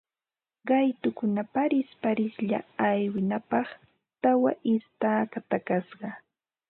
Qaytukuna parisparislla arwinapaq tawa istaka takasqa